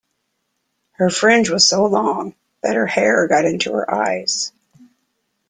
Her fringe was so long that her hair got into her eyes